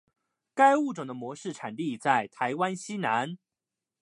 该物种的模式产地在台湾西南。